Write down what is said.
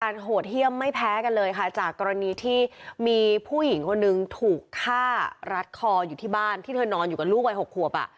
โหดเยี่ยมไม่แพ้กันเลยค่ะจากกรณีที่มีผู้หญิงคนนึงถูกฆ่ารัดคออยู่ที่บ้านที่เธอนอนอยู่กับลูกวัย๖ขวบอ่ะ